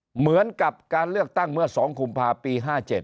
เหมือนกับการเลือกตั้งเมื่อ๒กุมภาพปี๕๗